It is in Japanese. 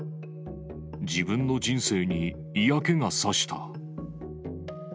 自分の人生に嫌気がさした。